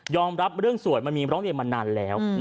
รับเรื่องสวยมันมีร้องเรียนมานานแล้ว